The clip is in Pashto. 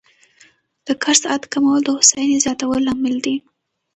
د کار ساعت کمول د هوساینې زیاتوالي لامل دی.